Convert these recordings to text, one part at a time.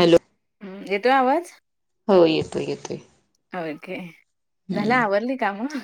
Hello. येतोय आवाज. हो येतोय येतोय. आव एके झालं हम्म आवरली कामं.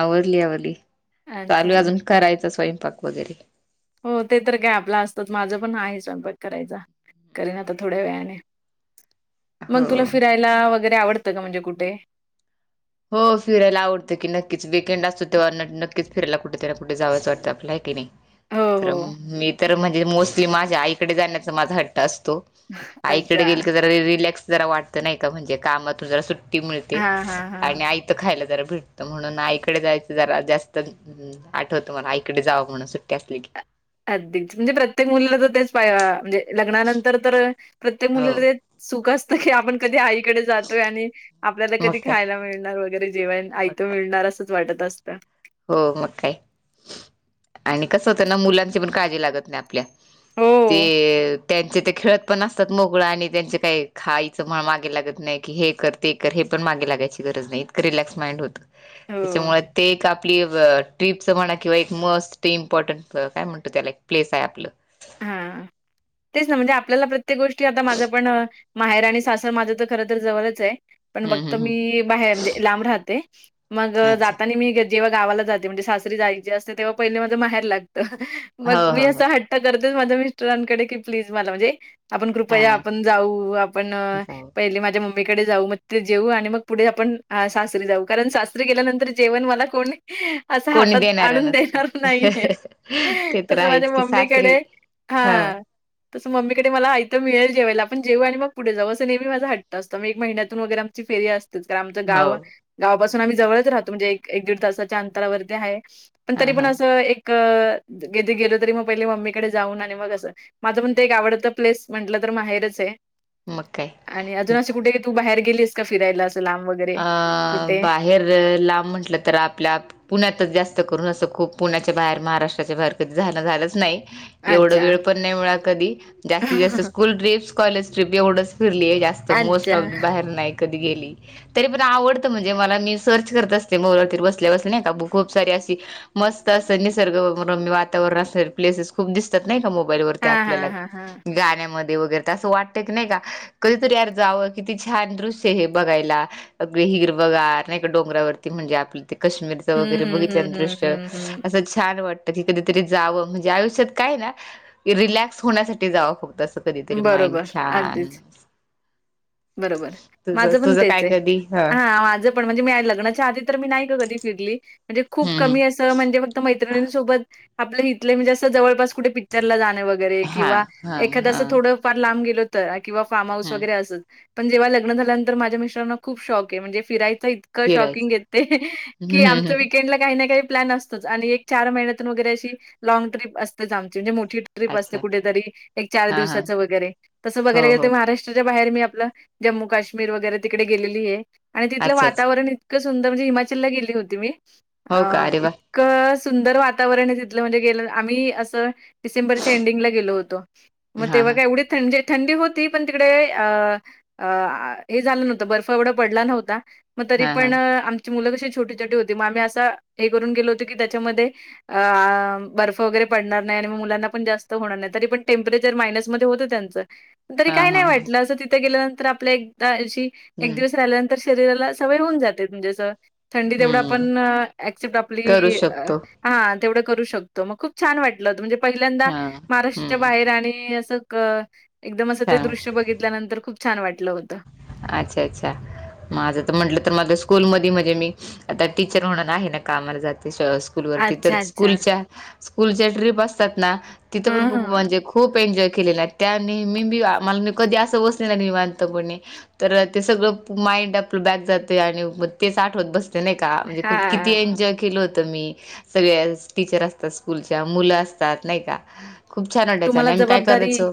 आवरली आवरली, चालू अच्छा. आहे अजून करायचे स्वयंपाक वगैरे. हो ते तर काय आपलं असतंच माझं पण आहेचं स्वयंपाक करायचा, करीन आता थोड्या वेळाने. [inaudible] मग तुला फिरायला वगैरे आवडतं का, म्हणजे कुठे. द हो फिरायला आवडतं की नक्कीच विकेंड असतो तेव्हा न, नक्कीचं फिरायला कुठेतर कुठ जावसं वाटतं आपल्याला हाय की नाही. हो, तर हो. मी तर म्हणजे, मोस्टली माझ्या आईकडे जाण्याचा माझा हट्ट असतो. आईकडे अच्छा. गेले की जरा रिलॅक्स जरा वाटतं नाही का म्हणजे, कामातून जरा सुट्टी मिळते. हां, हां, हां. आयतं खायला जरा भेटतं म्हणून आईकडे जायचं जरा जास्तच. हम्. आठवतं मला आईकडे जावं म्हणून सुट्टी असली की. अ अगदीच, म्हणजे प्रत्येक मुलीला तर तेच पाहि, म्हणजे लग्नानंतर तर प्रत्येक हो मुलीला ते सुख असतं की आपण कधी आईकडे जातोय आणि आपल्याला मग कधी काय खायला मिळणार वगैरे जेवण. आयतं मग मिळणार असंच वाटत असतं. हो मग काय आणि कसं होत ना मुलांची पण काळजी लागत नाही आपल्या. ते हो, त्यांचे ते खेळत पण असतात मोगळा आणि त्यांचे काय खा मागे लागत नाही की हे कर ते कर हे पण मागे लागायची गरज नाही इतकं रिलॅक्स माइंड होतं. हो. त्याच्यामुळे ते का. आपली ट्र्रीपच म्हणा किंवा एक मस्ट इम्पॉर्टंट काय म्हणतो त्याला एक प्लेस आहे आपलं. [inaudible] हां. [unintelligible] तेच ना म्हणजे आपल्याला प्रत्येक गोष्टी आता माझं पण माहेर आणि सासर माझं तर खरंत तर जवळच आहे. पण हम्म फक्त हम्म हम्म मी बाहेर म्हणजे लांब राहते मग अच्छा जातानी मी. जेव्हा गावाला जाते म्हणजे सासरी जायची असते तेव्हा पहिले माझ माहेर लागत हो मग मी हो हो असं हट त्या करतील माझ्या मिस्टरांकडे की प्लीज मला म्हणजे आपण हा कृपया आपण जाऊ, आपण जाऊ. पहिले माझ्या मम मम्मीकडे जाऊ मग ते जेऊ आणि मग पुढे आपण आ, सासरी जाऊ कारण सासरी गेल्यानंतर जेवण मला कोणी असं कोणी हातात देणार आणून नसतं देणारं नाहीये, ते तर तसं माझे आहेच की मम्मी सासरी कडे हा. तसं मम्मीकडे मला माहिती मिळेल जेवायला मग जेव मग कुठे जाऊ तसा मी महिन्यातून एकदा. फेरी असत. ते आमचं हो गाव गावापासून आम्ही जवळच राहतो म्हणजे एक एक दीड तासाच्या अंतरावरती आहे. पण हा तरी हा पण असं एक, गे गेलो तरी मग पहिले मम्मीकडे जाऊन आणि मग असं माझं पण ते एक हम्म. आवडत प्लेस म्हटलं तर माहेरच आहे, मग काय आणि अजून असे कुठे तू बाहेर गेलीस का फिरायला असंब वग अ बाहेर लांब म्हटलं तर आपल्या पुण्यातच जास्त करून असं खूप पुण्याच्या बाहेर महाराष्ट्राच्या बाहेर कधी झालं झालंच नाही. एवढं अच्छा वेळ पण नाही मिळा कधी जास्तीत जास्त स्कूल ट्रिप्स कॉलेज ट्रीप एवढंच फिरली आहे जास्त त मोस्ट अच्छा ऑफ बाहेर नाही कधी गेली. तरी पण आवडतं म्हणजे मला मी सर्च करत असते मोबाईलवर बसल्या बस नाही का ब खूप सारी अशी मस्त असत निसर्ग रम्य वातावरण असणार प्लेसेस खूप दिसतात नाही का मोबाईलवर. त्या हां आपल्याला, हां हां हां. गाण्यामध्ये [unintelligible] असं वाटत नाही का कधीतरी जावं किती छान आहे बघायला. अगदी हिरव गार नाही का डोंगरावरती म्हणजे आपलं ते कश्मीरीचं हं, वगैरे बघितल्या हं, हं, दृश्य हं, हं, असं छान वाटतं की कधीतरी जावं म्हणजे आयुष्यात काय ना रिलॅक्स होण्यासाठी जावं फक्त असं कधीतरी हं. माइंड बरोबर छान अगदीच बरोबर. तुझ, माझं पण तुझं तेच आहे. काय कधी ह‌‌. हां, माझं पण म्हणजे मी लग्नाच्या आधी नाही ग कधी फिरली म्हणजे खूप हम्म हम्म असं त म्हणजे फक्त मैत्रिणींसोबत आपल्या इथले म्हणजे जवळपास कुठे पिक्चर ला जाणे वगैरे गरे हा किंवा हा एखादं हा असं थोडं फार लांब गेलो तर किंवा फार्म हाऊस हम्म वगैरे असतं. पण जेव्हा लग्न झाल्यांतर माझ्या मिट्रांना खूप शॉक म्हणज फियचा फिरायचं शॉकिंगहाय ते की हम्म हम्म आमच हम्म वकेंड ला काही ना काही प्लॅन अस आणि एक चार महिन्यात वगैरे अशी लँग ट्र्रीप असतेच आमची जी मोठी ट्रिप असते अच्छा कुठेतरी एक चार हा हा दिवसाचं वगैरे तसं हो बघायला गे हो महाराष्ट्राच्या बाहेर मी आपलं जम्मू काश्मीर वगैरे तिकडे गेलेली आहे आणि तिथलं अच्छा अच्छा वातावरण इतकं सुंदर म्हणजे हिमाचलला गेली होती मी अ हो का अरे वा क सुंदर वातावरण आहे तिथलं म्हणजे गेलं आम्ही असं डिसेंबरच्या एंडिंगला गेलो होतो. मग हा तेव्हा हा का एवढी थंडी थंडी होती पण तिकडे अ अ हे झालं नव्हतं बर्फ एवढं पडला नव्हता मग तरी हा हा पण आ मुलं कशी छोटी-छोटी होती म आम्ही हे करून गेलो होतो त्याच्यामध्ये अ बर्फ वगैरे पडणार नाही आणि मग मुलांना पण जास्त होणार नाही तरी पण टेम्परेचर मायनस म होत त्यांच, तरी हा काही हा नाही हा वाटलं अस तिथ गेल्यानंतर आपल्या एक दा एक हम्म दिवस राहिल्यानंतर शरीराला सवय होऊन जाते म्हणजे असं थंडी तेवढा हम्म आपण ऍक्सेप्ट करू आपली अ शकतो हा तेवढं करू शकतो मग खूप छान वाटलं म्हणजे पहिल्यांदा हा महाराष्ट्राच्या हम्म बाहेर आणि असं क एकदम असं ते छान दृश्य बघितल्यानंतर खूप छान वाटलं होतं. अच्छा अच्छा! माझं तर म्हटलं तर माझ स्कूल म मध्ये मी आता टीचर होणार आहे ना कामाला जाते [unintelligible] स्कूलवरती तर अच्छा, अच्छा. स्कूलच्या स्कूलच्या ट्रिप अस असतात ना तिथं पण हं, खूप हं. म्हणजे खूप एन्जॉय केलेला आहे. त्याने मी मी मला मी कधी असं बसले निवांत पणे. तर ते सगळं माइंड आपलं बॅक जात आणि म तेच आठवत बसत. नाही का म्हणे किती हां. एन्जॉय केलं हो. मी सगळ्याच टीचर असतात स्कूलच्या मुलं असतात नाही का? खूप छान वाटायचं आणि तुम्हाला आम्ही काय जबाबदारी, करायचो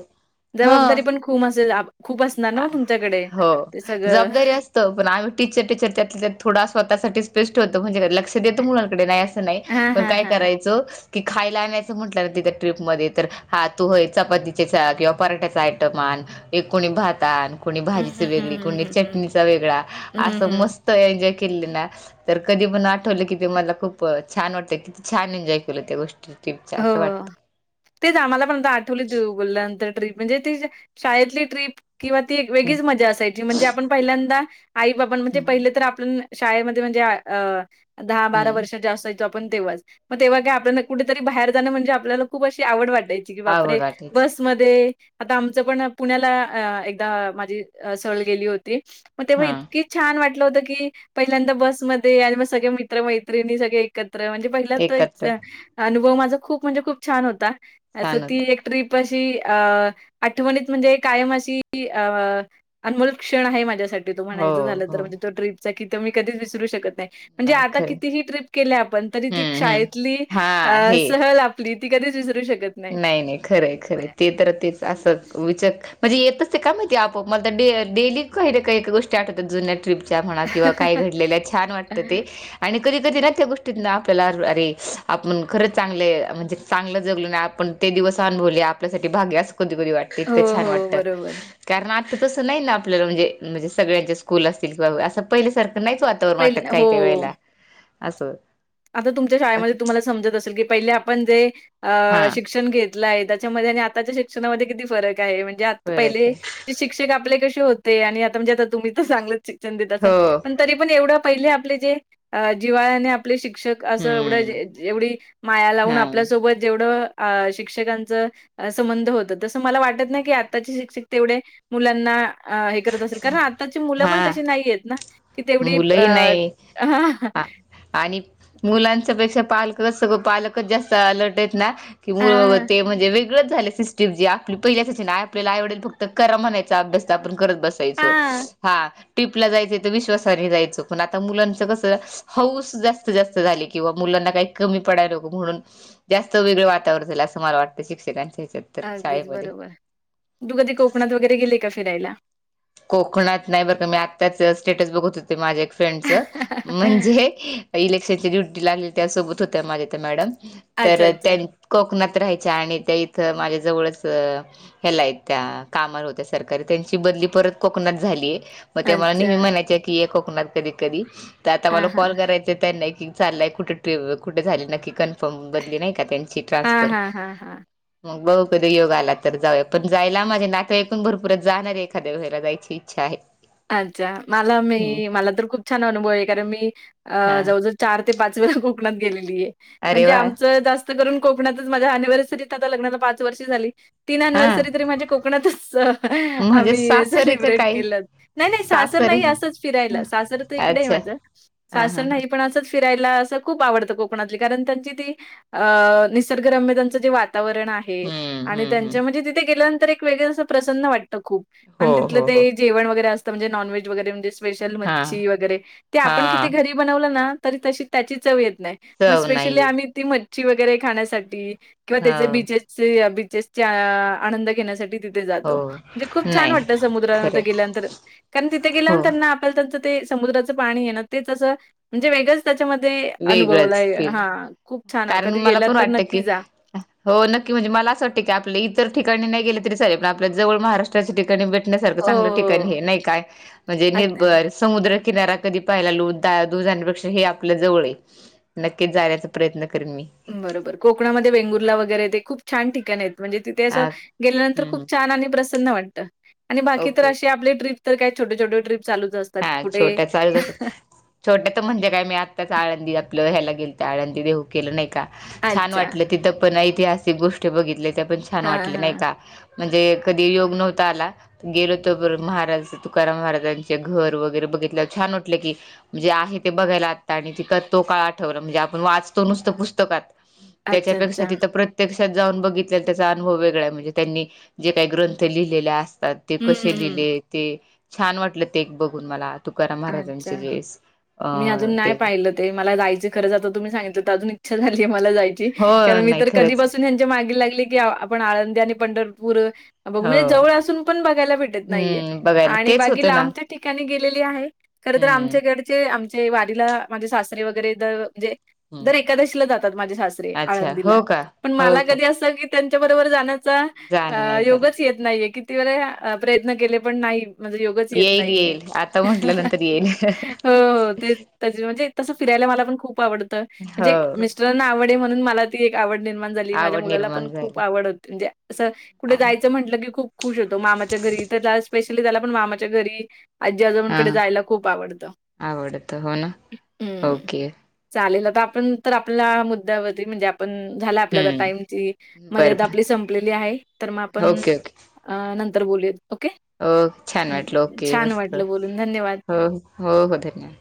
जबाबदारी हं. पण खू असेल खूप असणार ना म तुमच्याकडे. हो ते सगळं? हो. जबाबदारी अस पण आम्ही टीचर टीचर त्यात थोडा स्वतःसाठी स्पेस्ट होतो म्हणजे लक्ष देत मुलांकडे नाही नाही, हां, पण हां, काय हां. करायचो कि खायला आणायचं म्हटलं ति त्या ट्रीपमध्ये तर हा तू होय चपातीचेचा किंवा पराठ्याचा आयटम आण एक कोणी भाता आणि कोणी हं, भाजीची हं, हं, वेगळी हं, कोणी हं, हं. चटणीचा वेगळा हं, असं हं. मस्त त एनजोयल ना. तर कधी पण आठवलं की ते मला खूप छान वाटतं किती छान एन्जॉय केलं त्या गोष्टी. यूटूबचे असं हो. वाटतं. तेच आम्हाला पण आता आठवली त उघोलल्यानंतर ट्रीप म्हणजे ती शाळेतली ट्रीप किंवा ती एक हं. वेगळीच मजा असायची म्हणजे आपण पहिल्यांदा आई बाब म्हणजे हं, पहिले तर आपण शाळेमध्ये म्हणजे दहा बारा हं. वर्ष जास्त य तो आपण तेव्हाच मग तेव्हा काय हां. आपल्या कुठ बाहेर जाणं म्हणजे आपल्याला खूप अशी आवड वाटायची की बापरे आवड वाटायची. बस. म आता आमचं पण पुण्याला एकदा माझी सळ गेली होती. मग तेव्हा हां, इतकी. छान वाटलं होतं की पहिल्यांदा बसमध्येध्ये आणि मग सगळे मित्र मैत्रिणी सगळे एकत्र. म्हणे एकत्र प अनुव मा खूप म्हणजे खूप छान होता. छान होतं. ट्र्रीप अशी अ आठवणीत म्हणजे कायम अशी अ आणि मला क्षण आहे माझ्यासाठी तो हो, म्हणायचं झालं तर हो. म्हणजे तो ट्रीपचा की तर मी कधीच विसरू शकत नाही म्हणजे नाही आता खरं. कितीही ट्रिप केले आपण तरी ती हं, हं. शाळेतली हां, हे. ल आपली ती कधीच विसरू शकत. नाही नाही खरं वाह! खरे ते तर तेच असं विचक. म्हणजे येतच ते का माहिती आपो मला डेली काही ना काही गोष्टी आठ होतात जुन्या ट्र्रीप म्हणा किंवा काय घडलेल्या छान वाटतं ते. आणि कधी कधी ना त्या गोष्टीत ना आपल्याला अरे आपण खरं चांगले म्हणजे चांगलं जगल ना. आपण ते दिवस अनुभवले आपल्यासाठी भागे असं कधी कधी वाटत हो, इतकं छान हो. वाटतं. बरोबर. कारण आता तसं नाही ना आपल्याला म्हणजे म्हणजे सगळ्यांचे स्कूल असतील किंवा असं पहिल्यासारखं नाहीच. वाटतात पहिल काही काही हो. वेळेला असं आता तुमच्या शाळेमध्ये बाकी तुम्हाला समजत असेल की पहिले आपण जे अ हा शिक्षण घेत. आहे त्याच्यामध्ये आणि आताच्या शिक्षणामध्ये किती फरक आहे म्हणजे आता फरक पहिले. आहे शिक्षक आपले कसे होते आणि आता म्हणजे आता तुम्ही तर चांगलंच शिक्षण देत असेल हो पण. तरी पण एवढं पहिले आपले जे जिवाळा्याने आपले शिक्षक- अस एवढ हम्म एवढी माया लावून हा आपल्यासोबत जेवढं शिक्षकांच संबंध होत तसं मला वाटत ना की आताचे शिक्षक तेवढे मुलांना त अस कारण आताची मुलं हा पण तशी नाहीेत ना की तेवढी मुलंही अ नाही आ आणि मुलांच्या पेक्षा पालकच सगं पालकच जास्त अलर्ट हां, म्हणजे वेगच झा सिजी आपली पहिल्याच नाहीय आपल्याला आवडेल फक्त करा म्हणायचा अभ्यास त ब हां. हा टपलाय विवा तरी जायचं पण आता मुलांचं कसं हौऊस जास्तीत जास्त झाली किंवा मुलांना काही कमी पडायला नकं म्हणून जास्त वेगळं वातावर झाल असं मला वाटतं शिक्षकांच्या ह्याच्यात तर अगदीच शाळेमध्ये बरोबर तू कधी कोकणात वगैरे गेले का फिरायला. कोकणात नाही बर का मी आत्ताच स्टेटस बघत होते माझ्या ्रेंड म्हणजे इलेक्शन ड्युटी लागले त्या सोबत होत माझ्या मॅडम अच्छा, तर अच्छा. त्यां कोकणात राहायच्या आणि त्या इथं माझ्या जवळच ह्यालाय त्या कामाला होत्या सरकारी त्यांची बदली परत कोकणात झालीय मग ते मला अच्छा. नेहमी म्हणायचं की हे कोकणात कधी कधी तर आता मला हां, हां. कॉल करायचं त्यांना की चाललंय कुठे कुठे झाली नक्की कन्फर्म बदली नाही का त्यां हां, ट्रानसफर हां, हां, हां. मग बहू कधी योग आला तर जाऊया पण जायला माझे नाकंऐून भरपूरच जाणार एखाद्या व्हायला जाय अ् इच्छा आहे अच्छा मला हम्म मी मला तर खूप छान अनुभव आहे कारण मी अ हा जाव चार ते पाच वेळा कोकणात गेलेली आहे अरे म्हणजे वा आमचं जास्त कोकण माझ्यानिव्हसरीत ल पाच वर्ष झाली हा तीननव्हर्री कोकणातच म्हणजे आम्ही सासरे का सेलिब्रेट काय केलं नाही नाही सासर सासरे नाही असंच हं, फिरायला सासर तर इकडे आहे अच्छा माझं हा सासर हा हा नाही पण असच फिरायला असं खूप आवडतं कोकणातली कारण त्यांची ती अ निसर्गरम्यतांचं जे वातावरण आहे हम्म आणि हम्म हम्म त्यांच्या म्हणजे तिथे गेल्यानंतर एक वेगळं प्रसन्न वाटतं खूप हो आणि तिथलं हो ते हो ेवण असे नन वज वरेेे हा मच हा आप घ त त त्या चव येत नाही चव नाही स्ेशली आम् येत ती मच्छी वगैरे खाण्यासाठी किंवा त्याचे हो बीचेस बचेस आनंद घेण्यासाठी तिथे हो जातो म्हणे खूप छान नाही वाटतं समुद्रा खरे गेल्यानंतर कारण तिथे हो गेल्यानंतर त्यांचं ते समुद्रचं पाणी आहे ना तेचं म्हणजे वेगंच त्याच्यामध्ये अनुभवला वेगळंच फील हा खूप छान आहे कारण कधी मला गेला पण तर वाटतं की नक्की जा हो नक्की म्हणजे मला असं वाटतं की आपले इतर ठिकाणी नाही गेले तरी लेल प आपल्या जवळ महाराष्टाच्या ठिकाणी भेट हो, च ठिका हो, नाही का म्हणे नि अगदीच. समुद्रकिारा कधी पाहायला लो द दू जाण्यापेक्षा हे आपलं जव नक्कीच जाण्याचा प्रयत्न करेन मी बरोबर कोकणामध्ये वेंगुर्ला वगैरे ते खूप छान ठिकाणी आहेत म्हणजे तिथे असं आ गेल्यानंतर हम्म खूप हम्म छान आणि प्रसन्न वाटतं आणि बाकी तर ओके. अशी आपली ट्रीप तर काय छोटे छोटे ट्र्रीप चालूच असतात हा कुठे छोट्या चालूच असतात. छोट्यात म्हणजे कायी आताच आळंदी आपलं ह्याला गेल तर आळंदी देऊ के नाही का छान अच्छा. वाटलं तिथ पण ऐतिहासिक गोष्ट बघितण छान हां, वाटलं नाही हां. का म्हणजे कधी योग नव्हता आला गेलोतो महाराज तुकाराम महाराजांचे घर वगैरे बघित छानटलं की म्हणजे आहे ते बघायला आत्ता आणि तिकं तो काळ आठवला म्हणजे आपण वाचतो नुसतं पुस्तकात अच्छा, त्याच्यापेक्षा अच्छा. तिथं प्रत्य प्रत्यक्षात जाऊन बघितले त्याचा अनुभव वेगळा आहे म्हणजे त्यांनी जे काही ग्रंथ लिहिलेले असतात. ते हं, कसे हं, हं. लिहिले ते छान वाटलं ते बघून मला तुकाराम महाराजांच अच्छा. जेस अ मी अजून नाही ते पाहिलं ते मला जायच खरंच आता तुम्ही सांगितलं अजून इच्छा झाली आहे मला जायची हो कारण मी नाही तर कधी खरंच बस त्यांच्या मागे लागली की आपण आळंदी आणि पंढरपूर बघ हो म्हणजे जवळ असून पण बघायला भेटत नाहीये हम्म बघायला आणि तेच बागी होतं ना लांब त्या ठिकाणी गेलेली आहे खरंतर हम्म आमच्या घरचे आमचे वारीला माझे सासरे वगैरे म्हणजे हम्म दर एकादशीला जातात माझे सासरे अच्छा आळंदीला हो का पण हो मला का कधी असं त्यांच्या बरोबर जाण्याचा जाणं नाही झालं योगच येत नाहीये किती वेळेला प्रयत्न केले पण नाही माझ योगच येत नाहीये शरी हो हो ते म्हणजे तसं फिरायला मला पण खूप आवडतं म्हणजे हो मि आवडे म्हणून मला एक आवड निर्माण झाली माझ्या आवड मुलाला पण निर्माण खूप झाली आवड हो म्हणजे असं कुठे जायचं म्हटलं की खूप खुश होतो मामाच्या घरी तर त्या स्पेशली त्याला पण मामाच्या घरी आजी हा आजोबणकडे जायला खूप आवडत आवडत हो ना हम्म ओके चालेल तर आपण तर आपल्या मुद्द्यावरती म्हणजे ण झाला आपल्या हम्म टाइमची बरं मर्यादा बर आपली संपलेली आहे तर मग आपण ओके ओके अ नंतर बोलूया ओके. हो छान हं. वाटलं ओके छान मस्त वाटलं बोलून. धन्यवाद. हो हो हो धन्यवाद.